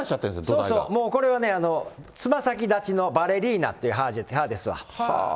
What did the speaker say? そうそう、もうこれはね、つま先立ちのバレリーナという歯ですわ。